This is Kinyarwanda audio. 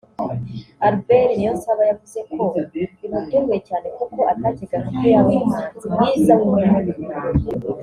Albert Niyonsaba yavuze ko bimutunguye cyane kuko atacyekaga ko yaba umuhanzi mwiza w'umwaka